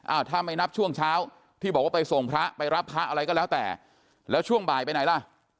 ถ้าไม่นับช่วงเช้าที่บอกว่าไปส่งพระไปรับพระอะไรก็แล้วแต่แล้วช่วงบ่ายไปไหนล่ะ